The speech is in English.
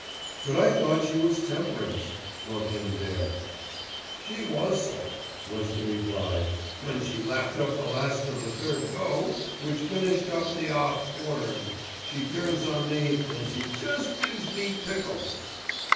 "But I thought she was temperance," broke in Dare. "She was, sir," was the reply. "When she'd lapped up the last o' the third go, which finished up the 'alf quartern, she turns on me an' she jest gives me pickles."